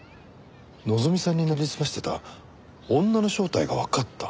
のぞみさんになりすましてた女の正体がわかった？